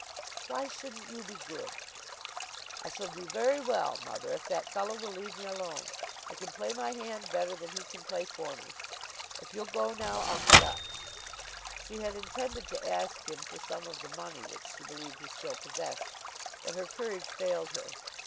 "Why shouldn't you be good?" "I shall do very well, mother, if that fellow will leave me alone. I can play my hand better than he can play it for me. If you'll go now I'll get up." She had intended to ask him for some of the money which she believed he still possessed, but her courage failed her.